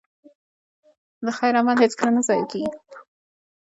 د خیر عمل هېڅکله نه ضایع کېږي.